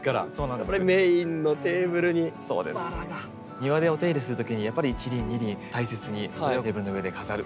庭でお手入れするときにやっぱり１輪２輪大切にそれをテーブルの上で飾る。